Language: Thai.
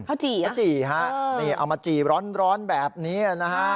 ข้าวจี่ฮะนี่เอามาจี่ร้อนแบบนี้นะฮะ